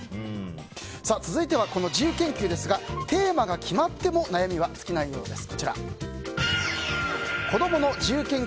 続いては、この自由研究ですがテーマが決まっても悩みは尽きないようです。